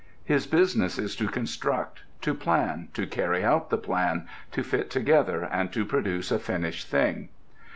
His business is to construct: to plan: to carry out the plan: to fit together, and to produce a finished thing.